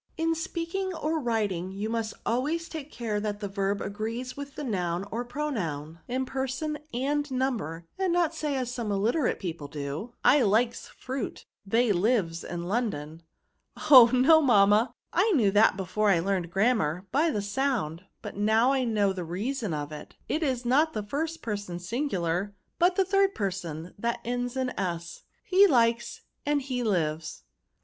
In speaking or writing, you must always take care that the verb agrees with the noun or pronoun, in person and number, and not say as some illiterate people do, ' I Ukes fruit ; they lives in London.' "*^ Oh ! no, mamma, I knew that before I learned grammar, by the sound ; but now, I know the reason of it. It is not the first person singular, but the third person, that ends in s, — ^he likes and he lives."